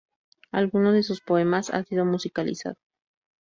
Alguno de sus poemas ha sido musicalizado.